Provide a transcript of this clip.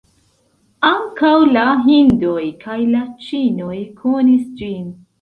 Ankaŭ la hindoj kaj la ĉinoj konis ĝin.